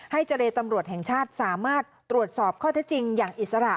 เจรตำรวจแห่งชาติสามารถตรวจสอบข้อเท็จจริงอย่างอิสระ